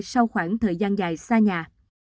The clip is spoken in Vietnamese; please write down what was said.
sau khoảng thời gian dài xa nhà